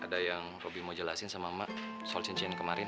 ada yang robby mau jelasin sama mak soal cincin yang kemarin